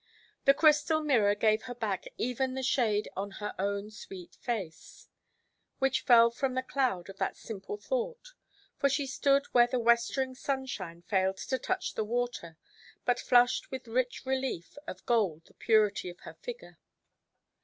The crystal mirror gave her back even the shade on her own sweet face, which fell from the cloud of that simple thought; for she stood where the westering sunshine failed to touch the water, but flushed with rich relief of gold the purity of her figure.